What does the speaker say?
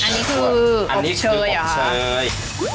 อันนี้คืออบเชยหรอครับ